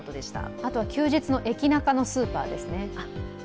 あとは休日の駅ナカのスーパーですね。